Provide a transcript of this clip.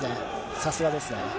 さすがですね。